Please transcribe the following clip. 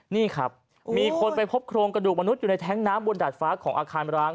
นี่ครับมีคนไปพบโครงกระดูกมนุษย์อยู่ในแท้งน้ำบนดาดฟ้าของอาคารร้าง